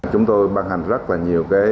chúng tôi ban hành rất là nhiều